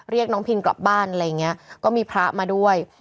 เรียกน้องพินกลับบ้านอะไรอย่างเงี้ยก็มีพระมาด้วย